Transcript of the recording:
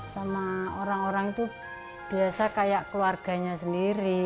sama orang orang itu biasa kayak keluarganya sendiri